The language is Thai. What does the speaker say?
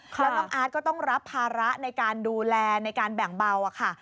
แล้วน้องอาร์ตก็ต้องรับภาระในการดูแลในการแบ่งเบาค่ะ